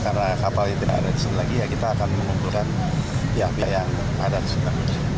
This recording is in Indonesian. karena kapalnya tidak ada di sini lagi ya kita akan mengumpulkan pihak pihak yang ada di sekitar